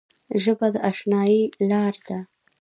ژبه د اشنايي لاره ده